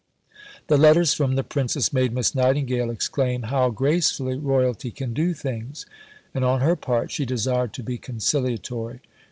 The letters from the Princess made Miss Nightingale exclaim, "How gracefully Royalty can do things!" And on her part she desired to be conciliatory.